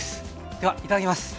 ではいただきます。